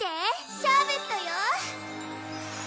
シャーベットよ！